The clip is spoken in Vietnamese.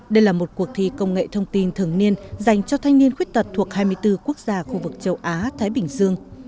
đây là một cuộc thi công nghệ thông tin thường niên dành cho thanh niên khuyết tật thuộc hai mươi bốn quốc gia khu vực châu á thái bình dương